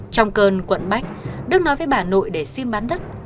trong cơn quận bách đức nói với bà nội để xin bán đất